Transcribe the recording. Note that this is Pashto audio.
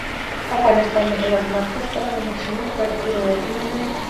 افغانستان د د هېواد مرکز په اړه مشهور تاریخی روایتونه لري.